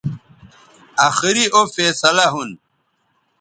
آخری او فیصلہ ھون